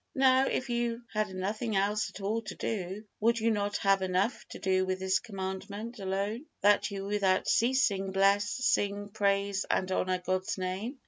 Now if you had nothing else at all to do, would you not have enough to do with this Commandment alone, that you without ceasing bless, sing, praise and honor God's Name?